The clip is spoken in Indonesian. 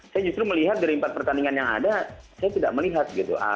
saya justru melihat dari empat pertandingan yang ada saya tidak melihat gitu